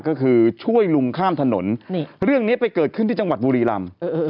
ก็คือช่วยลุงข้ามถนนเรื่องนี้ไปเกิดขึ้นที่จังหวัดบุรีรำ